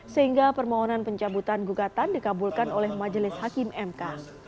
sehingga permohonan pencabutan gugatan dikabulkan oleh majelis hakim mk